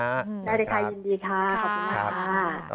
ได้เลยค่ะยินดีค่ะขอบคุณมากค่ะ